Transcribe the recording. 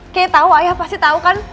kay tau ayah pasti tau kan